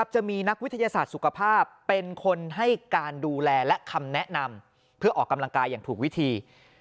จะมีนักวิทยาศาสตร์สุขภาพเป็นคนให้การดูแลและคำแนะนำเพื่อออกกำลังกายอย่างถูกวิธี